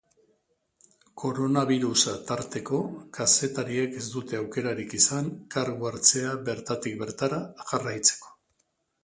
Koronabirusa tarteko, kazetariek ez dute aukerarik izan kargu hartzea bertatik bertara jarraitzeko.